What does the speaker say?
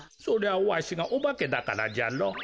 そりゃわしがオバケだからじゃろ。